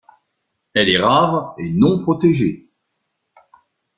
Elle est rare et non protégée.